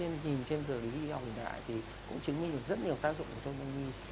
nhìn trên dường lý y học hiện tại thì cũng chứng minh được rất nhiều tác dụng của tôn đông y